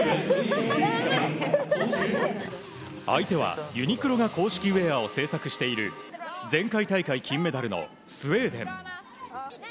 相手は、ユニクロが公式ウェアを制作している前回大会金メダルのスウェーデン。